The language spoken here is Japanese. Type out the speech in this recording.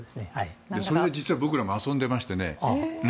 それで実は、僕らも遊んでいましてね。